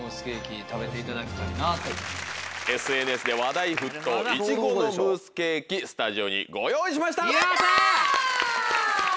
ＳＮＳで話題沸騰いちごのムースケーキスタジオにご用意しました！